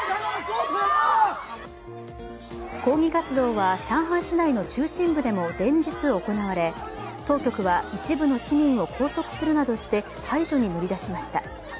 抗議活動は上海市内の中心部でも連日行われ当局は一部の市民を拘束するなどして排除に乗り出しました。